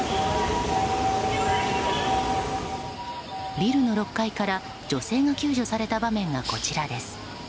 ビルの６階から女性が救助された場面が、こちらです。